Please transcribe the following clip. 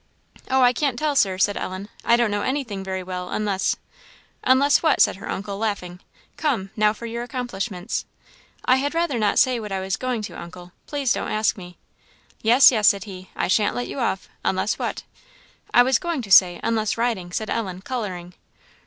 "Oh, I can't tell, Sir," said Ellen; "I don't know anything very well, unless " "Unless what?" said her uncle, laughing; "come! now for your accomplishments." "I had rather not say what I was going to, uncle; please don't ask me." "Yes, yes," said he; "I shan't let you off. Unless what?" "I was going to say, unless riding," said Ellen, colouring.